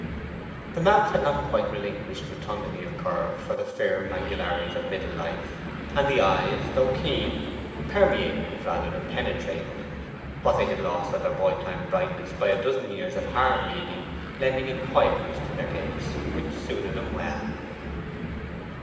The mouth had not quite relinquished rotundity of curve for the firm angularities of middle life; and the eyes, though keen, permeated rather than penetrated: what they had lost of their boy time brightness by a dozen years of hard reading lending a quietness to their gaze which suited them well.